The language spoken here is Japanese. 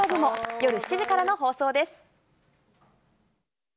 夜７時からの放送です。